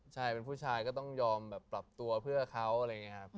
ใช่เป็นผู้ชายก็ต้องยอมแบบปรับตัวเพื่อเขาอะไรอย่างนี้ครับ